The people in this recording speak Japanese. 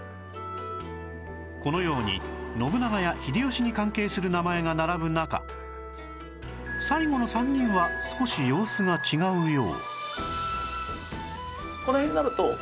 このように信長や秀吉に関係する名前が並ぶ中最後の３人は少し様子が違うよう